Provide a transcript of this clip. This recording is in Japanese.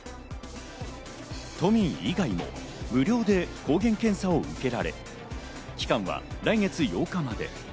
都民以外も無料で抗原検査を受けられ、期間は来月８日まで。